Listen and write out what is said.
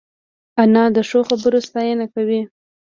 انا د ښو خبرو ستاینه کوي